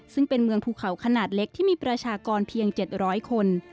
ซึ่งเป็นเมืองภูเขาขนาดเล็กที่มีประชากรเพียง๗๐๐คน